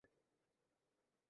আমি সাইফার ব্যবহার করছি।